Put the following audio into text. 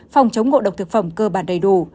phòng chống ngộ độc thực phẩm cơ bản đầy đủ